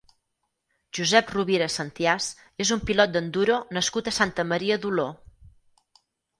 Josep Rovira Sentiás és un pilot d'enduro nascut a Santa Maria d'Oló.